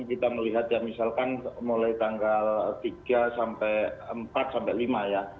kita melihat ya misalkan mulai tanggal tiga sampai empat sampai lima ya